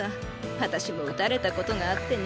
あたしも打たれたことがあってね。